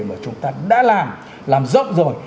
mà chúng ta đã làm làm rộng rồi